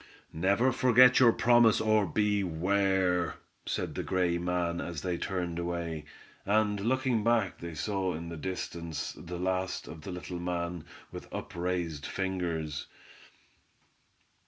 "Never forget your promise, or beware!" said the gray man, as they turned away, and looking back they saw in the distance the last of the little man with up raised fingers.